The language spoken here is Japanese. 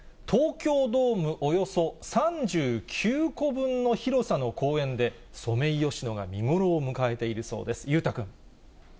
東京ドームおよそ３９個分の広さの公園で、ソメイヨシノが見頃を迎えているそうです。